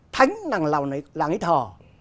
thánh làng nào làng ấy thờ